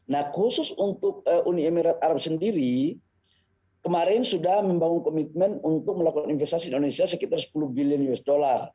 nah khusus untuk uni emirat arab sendiri kemarin sudah membangun komitmen untuk melakukan investasi di indonesia sekitar sepuluh billion usd